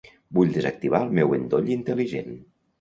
Vull desactivar el meu endoll intel·ligent.